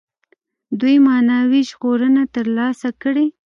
دوی معنوي ژغورنه تر لاسه کړي.